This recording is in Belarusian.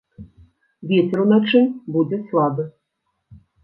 Вецер уначы будзе слабы.